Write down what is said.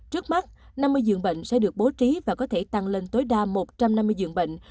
trước mắt năm mươi giường bệnh sẽ được bố trí và có thể tăng lên tối đa một trăm năm mươi giường bệnh